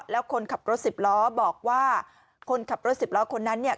แล้วคนขับรถสิบล้อบอกว่าคนขับรถสิบล้อคนนั้นเนี่ย